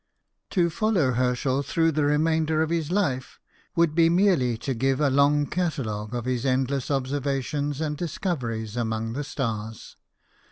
To follow Herschel through the remainder of his life would be merely to give a long catalogue of his endless observations and dis coveries among the stars.